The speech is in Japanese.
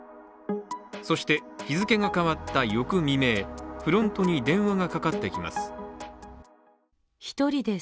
そして、日付が変わった翌未明フロントに電話がかかってきます。